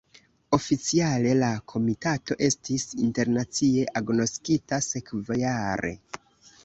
Oficiale, la komitato estis internacie agnoskita sekvajare.